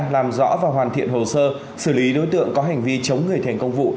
làm rõ và hoàn thiện hồ sơ xử lý đối tượng có hành vi chống người thành công vụ